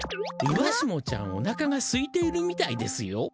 ニワシモちゃんおなかがすいているみたいですよ。